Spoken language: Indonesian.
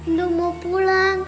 indah mau pulang